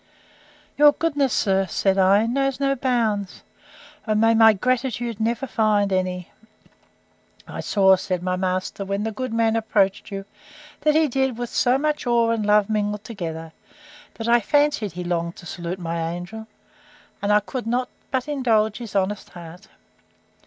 Your goodness, sir, said I, knows no bounds: O may my gratitude never find any!—I saw, said my master, when the good man approached you, that he did it with so much awe and love mingled together, that I fancied he longed to salute my angel; and I could not but indulge his honest heart.